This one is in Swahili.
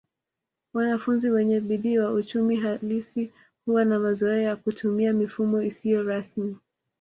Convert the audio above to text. Wanafunzi wenye bidii wa uchumi halisi huwa na mazoea ya kutumia mifumo isiyo rasmi